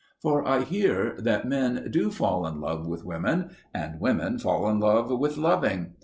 For I hear that men do fall in love with women, and women fall in love with loving.